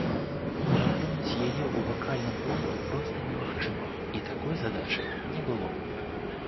Пераплюнуць яе ў вакальным плане проста немагчыма і такой задачы не было.